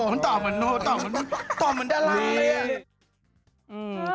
มันตอบเหมือนตอบเหมือนตอบเหมือนตอบเหมือนด้านล่างเลย